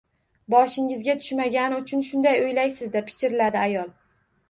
-Boshingizga tushmagani uchun shunday o’ylaysiz-da, — pichirladi ayol.